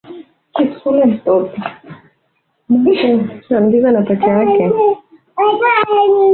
ee je hivi kuna msimu wa upatikanaji wa wateja wengi na